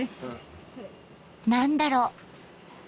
何だろう。